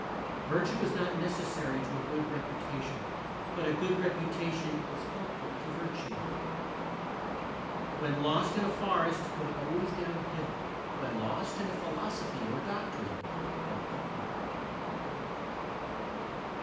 Virtue is not necessary to a good reputation, but a good reputation is helpful to virtue. When lost in a forest go always down hill. When lost in a philosophy or doctrine go up ward.